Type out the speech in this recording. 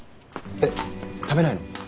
えっ食べないの？